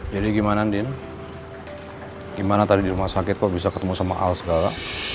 jadi gimana din gimana tadi di rumah sakit kok bisa ketemu sama al segala